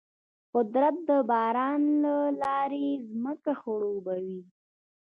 قدرت د باران له لارې ځمکه خړوبوي.